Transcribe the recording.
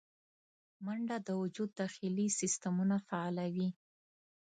منډه د وجود داخلي سیستمونه فعالوي